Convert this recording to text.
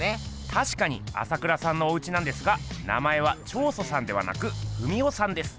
たしかに朝倉さんのおうちなんですが名前は彫塑さんではなく文夫さんです。